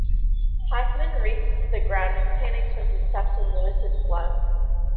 Hakman races to the ground and panics when he steps in Louis' blood.